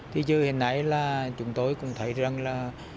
thế chứ hồi nãy là chúng tôi cũng thấy rằng là